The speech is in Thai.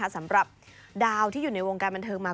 สำหรับดาวที่อยู่ในวงการบันเทิงมา